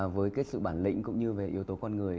với cái sự bản lĩnh cũng như về yếu tố con người